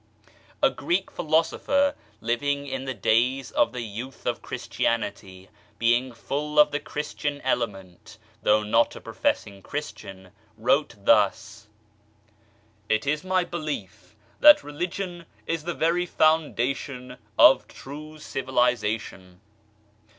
A Greek Philosopher living in the days of the youth of Christianity, being full of the Christian element, though not a professing Christian, wrote thus :" It is my be lief that Religion is the very foundation of true civiliza tion."